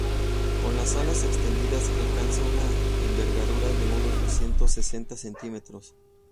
Con las alas extendidas, alcanza una envergadura de unos doscientos sesenta centímetros.